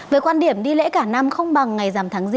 với quan điểm đi lễ cả năm không bằng ngày giảm thắng